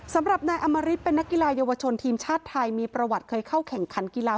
สำหรับนายอมริตเป็นนักกีฬาเยาวชนทีมชาติไทยมีประวัติเคยเข้าแข่งขันกีฬา